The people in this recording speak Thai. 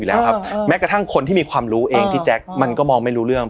อยู่แล้วครับแม้กระทั่งคนที่มีความรู้เองพี่แจ๊คมันก็มองไม่รู้เรื่อง